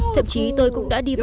thậm chí tôi cũng đã đi vòng vãnh đảo